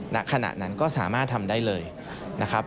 ณขณะนั้นก็สามารถทำได้เลยนะครับ